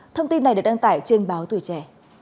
thông tin này được đăng tải trên báo tuổi trẻ